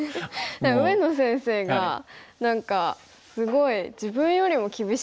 上野先生が何かすごい自分よりも厳しいっておっしゃって。